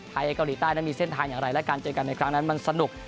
เกาหลีใต้นั้นมีเส้นทางอย่างไรและการเจอกันในครั้งนั้นมันสนุก